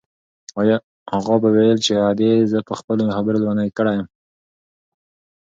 اغا به ویل چې ادې زه په خپلو خبرو لېونۍ کړې یم.